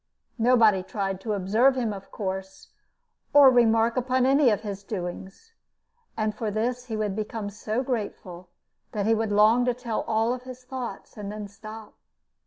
Nobody tried to observe him, of course, or remark upon any of his doings, and for this he would become so grateful that he would long to tell all his thoughts, and then stop.